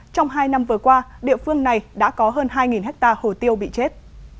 trong hai năm vừa qua địa phương này đã có hơn hai ha hồ tiêu bị chết